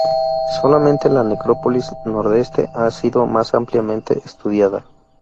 Solamente la necrópolis nordeste ha sido más ampliamente estudiada.